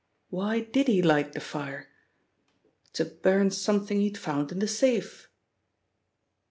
Why did he light the fire? To burn something he'd found in the safe!"